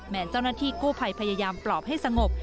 เจ้าหน้าที่กู้ภัยพยายามปลอบให้สงบ